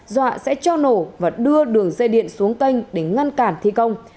dọa sẽ cho nổ và đưa đường dây điện xuống kênh để ngăn cản thi công